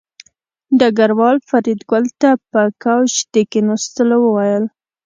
ډګروال فریدګل ته په کوچ د کېناستلو وویل